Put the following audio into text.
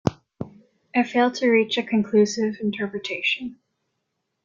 I failed to reach a conclusive interpretation.